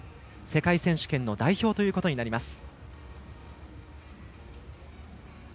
世界選手権の代表ということになります。